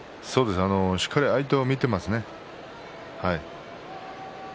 しっかり相手を見ていますね。